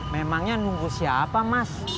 memangnya nunggu siapa mas